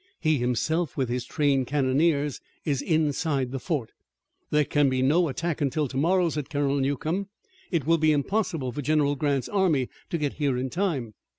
He, himself, with his trained cannoneers, is inside the fort." "There can be no attack until tomorrow," said Colonel Newcomb. "It will be impossible for General Grant's army to get here in time."